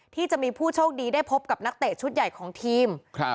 ที่จะมีผู้โชคดีได้พบกับนักเตะชุดใหญ่ของทีม